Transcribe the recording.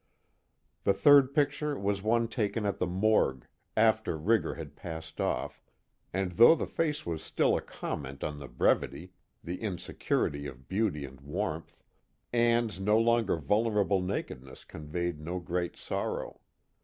The third picture was one taken at the morgue, after rigor had passed off, and though the face was still a comment on the brevity, the insecurity of beauty and warmth, Ann's no longer vulnerable nakedness conveyed no great sorrow.